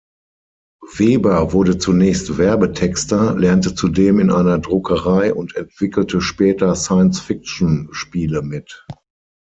Weber wurde zunächst Werbetexter, lernte zudem in einer Druckerei und entwickelte später Science-Fiction-Spiele mit.